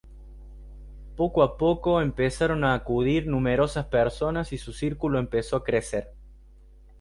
Poco a poco empezaron a acudir numerosas personas y su círculo empezó a crecer.